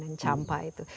dan champa itu